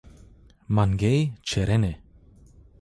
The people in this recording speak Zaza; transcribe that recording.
Mangeyî çerenê